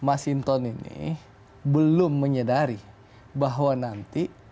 mas hinton ini belum menyadari bahwa nanti